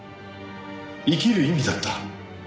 生きる意味だった。